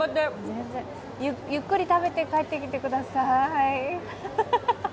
ゆっくり食べて帰ってきてください。